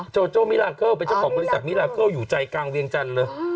โจโจ้มิลาเกิลเป็นเจ้าของบริษัทมิลาเกิลอยู่ใจกลางเวียงจันทร์เลย